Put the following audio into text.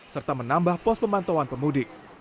serta menambah pos pemantauan pemudik